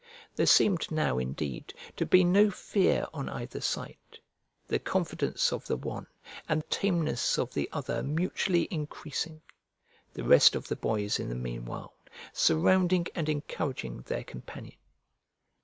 There seemed, now, indeed, to be no fear on either side, the confidence of the one and tameness of the other mutually increasing; the rest of the boys, in the meanwhile, surrounding and encouraging their companion.